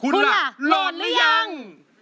คุณล่ะโหลดหรือยัง